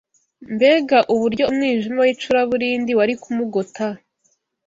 mbega uburyo umwijima w’icuraburindi wari kumugota